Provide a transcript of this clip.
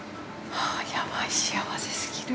あぁ、やばい、幸せすぎる。